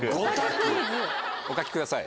お書きください